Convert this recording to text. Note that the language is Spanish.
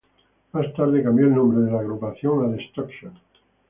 Más tarde cambio el nombre de la agrupación a "Destruction".